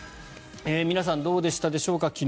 皆さんどうでしたでしょうか昨日。